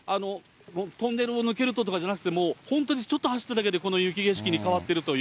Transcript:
トンネルを抜けるととかじゃなくて、本当にちょっと走っただけで、この雪景色に変わっているという。